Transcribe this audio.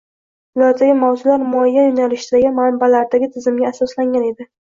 ulardagi mavzular muayyan yo‘nalishdagi manbalardagi tizimga asoslangan edi.